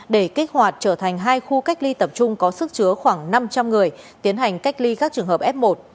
để kích hoạt trở thành hai khu cách ly tập trung có sức chứa khoảng năm trăm linh người tiến hành cách ly các trường hợp f một